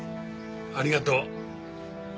ありがとう。